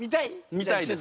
見たいですね。